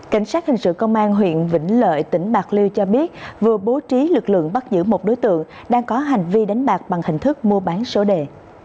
cảnh sát hình sự công an huyện vĩnh lợi tỉnh bạc liêu cho biết vừa bố trí lực lượng bắt giữ một đối tượng đang có hành vi đánh bạc bằng hình thức mua bán số đề